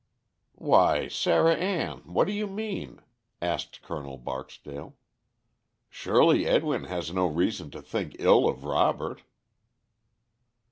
"Why, Sarah Ann, what do you mean?" asked Col. Barksdale. "Surely Edwin has no reason to think ill of Robert."